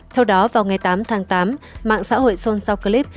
theo đó vào ngày tám tháng tám mạng xã hội son sau clip